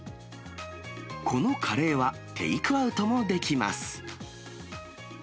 このカレーはテイクアウトもできます。